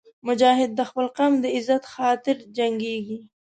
مجاهد د خپل قوم د عزت خاطر جنګېږي.